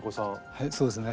はいそうですね。